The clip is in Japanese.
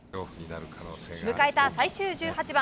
迎えた最終１８番。